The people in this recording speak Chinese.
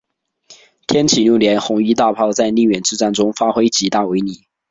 天启六年红夷大炮在宁远之战中发挥极大威力。